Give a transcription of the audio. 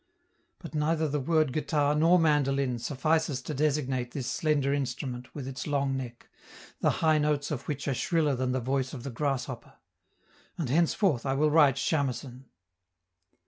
But neither the word guitar nor mandolin suffices to designate this slender instrument with its long neck, the high notes of which are shriller than the voice of the grasshopper; and henceforth, I will write 'chamecen'.